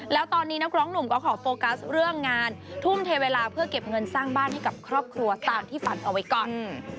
แล้วตอนนี้นักร้องหนุ่มก็ขอโฟกัสเรื่องงานทุ่มเทเวลาเพื่อเก็บเงินสร้างบ้านให้กับครอบครัวตามที่ฝันเอาไว้ก่อน